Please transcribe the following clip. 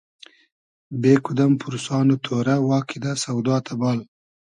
بې کودئم پورسان و تۉرۂ وا کیدۂ سۆدا تئبال